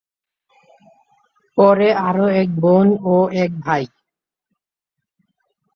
পরে আরও এক বোন ও এক ভাই।